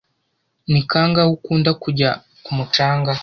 Ni kangahe ukunda kujya ku mucanga?